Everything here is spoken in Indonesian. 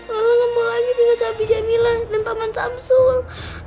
lala gak mau lagi tinggal sama bu jamila dan pak mansamsoel